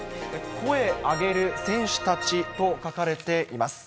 声上げる選手たちと書かれています。